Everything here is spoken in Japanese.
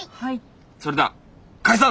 それでは解散！